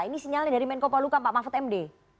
ini sinyalnya dari menko paluka pak mahfud md